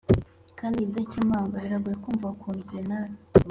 kandi idakemangwa, biragoye kumva ukuntu bernard